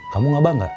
kamu gak bangga